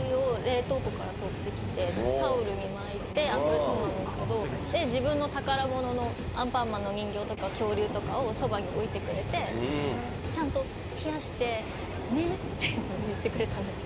私が体調悪くて今動けないってなってるときに、保冷剤を冷凍庫から取ってきて、タオルに巻いて、これそうなんですけれども、自分の宝物のアンパンマンの人形とか、恐竜とかをそばに置いてくれて、ちゃんと冷やしてねって言ってくれたんです。